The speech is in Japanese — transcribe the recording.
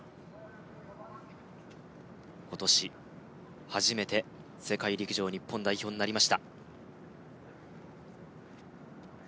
今年初めて世界陸上日本代表になりました